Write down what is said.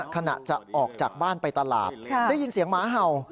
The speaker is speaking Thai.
ขณะจะออกจากบ้านไปตลาดได้ยินเสียงหมาเห่า